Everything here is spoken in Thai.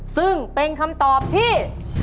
ซึ่งเป็นคำตอบที่